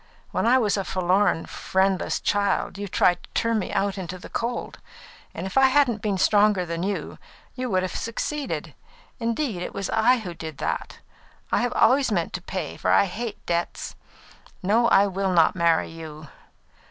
When I was a forlorn, friendless child, you tried to turn me out into the cold; and if I hadn't been stronger than you, you would have succeeded. Instead, it was I who did that. I've always meant to pay, for I hate debts. No, I will not marry you.